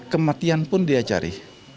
kematian pun dia cari